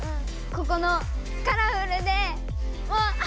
ここのカラフルでもうもう！